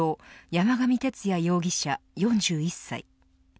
山上徹也容疑者４１歳。